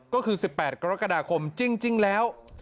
ก็คือสิบแปดกรกฎาคมจริงแล้ว